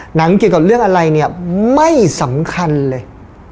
หนังเกี่ยวกับเรื่องอะไรเนี่ยไม่สำคัญเลย